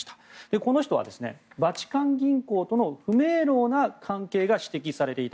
この人は、バチカン銀行との不明朗な関係が指摘されていた。